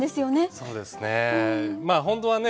そうですね。